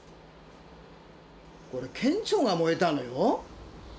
これ県庁が燃えたのよ。